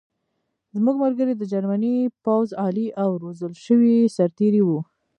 زموږ ملګري د جرمني پوځ عالي او روزل شوي سرتېري وو